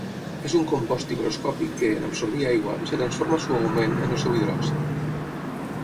És un compost higroscòpic que, en absorbir aigua, es transforma suaument en el seu hidròxid.